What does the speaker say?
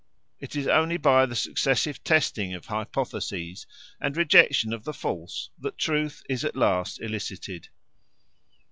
It is only by the successive testing of hypotheses and rejection of the false that truth is at last elicited.